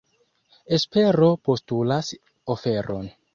Espero postulas oferon.